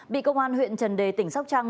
bị công an huyện trần đề tỉnh sóc trăng